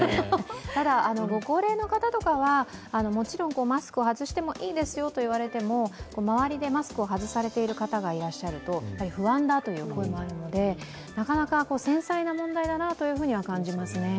ただご高齢の方とかはもちろんマスクを外してもいいですよと言われても周りでマスクを外している方がいらっしゃると不安だという声もあるので、繊細な問題だと思いますね。